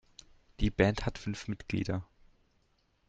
Die Band hat fünf Mitglieder.